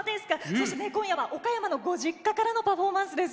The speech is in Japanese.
今夜は、岡山のご実家からのパフォーマンスです。